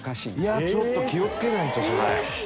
いやちょっと気をつけないとそれ。